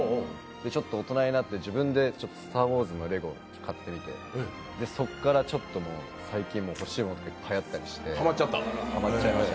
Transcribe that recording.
ちょっと大人になって自分で「スター・ウォーズ」のレゴ買ってみてそこからちょっと最近欲しいものがいっぱいあったりしてハマっちゃいました。